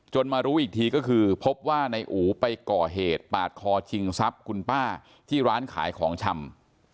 มารู้อีกทีก็คือพบว่านายอู๋ไปก่อเหตุปาดคอชิงทรัพย์คุณป้าที่ร้านขายของชำ